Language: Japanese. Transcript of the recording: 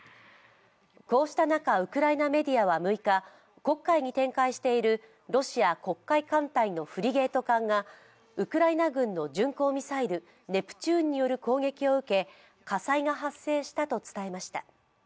こうした中、ウクライナメディアは６日、黒海に展開しているロシア黒海艦隊のフリゲート艦がウクライナ軍の巡航ミサイル・ネプチューンによる攻撃を受け、火災が発生したと伝えました。